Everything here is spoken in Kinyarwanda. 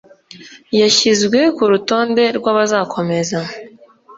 Yashyizwe ku rutonde rw’abazakomeza